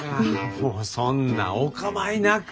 もうそんなおかまいなく。